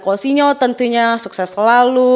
konsinyo tentunya sukses selalu